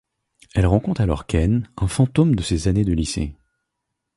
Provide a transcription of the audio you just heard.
Elle rencontre alors Ken, un fantôme de ses années de lycée.